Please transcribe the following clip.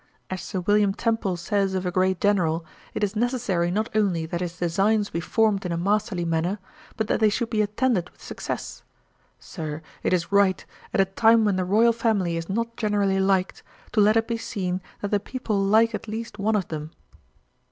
As Sir William Temple says of a great General, it is necessary not only that his designs be formed in a masterly manner, but that they should be attended with success. Sir, it is right, at a time when the Royal Family is not generally liked, to let it be seen that the people like at least one of them.'